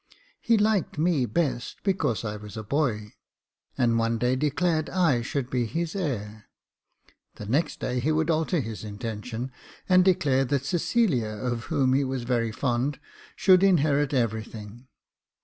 He liked me best because I was a boy, and one day declared I should be his heir. The next day he would alter his intention, and declare that Cecilia, of whom he was very fond, should inherit every thing.